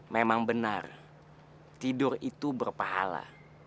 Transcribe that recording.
memang benar tidur itu berpahala